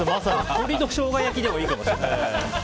鶏のショウガ焼きでもいいかもしれない。